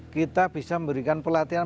kita bisa memberikan pelatihan